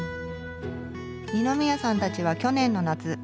二宮さんたちは去年の夏